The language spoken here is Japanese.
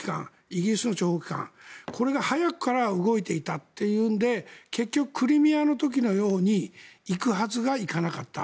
イギリスの諜報機関これが早くから動いていたというので結局クリミアの時のようにいくはずがいかなかった。